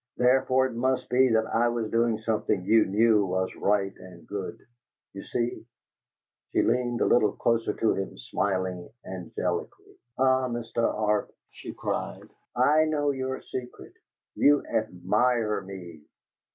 Therefore, it must be that I was doing something you knew was right and good. You see?" She leaned a little closer to him, smiling angelically. "Ah, Mr. Arp," she cried, "I know your secret: you ADMIRE me!"